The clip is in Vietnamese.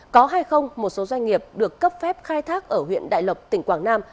có hay không một số doanh nghiệp được cấp phép khai thác ở huyện đại lộc tỉnh quảng nam